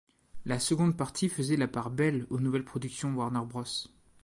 La seconde partie faisait la part belle aux nouvelles productions Warner Bros.